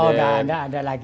oh enggak ada lagi